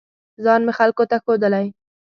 ځان مې خلکو ته ښودلی